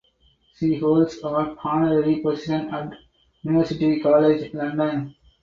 She holds an honorary position at University College London.